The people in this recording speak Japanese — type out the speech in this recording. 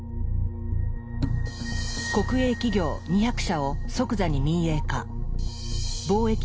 国営企業２００社を即座に民営化。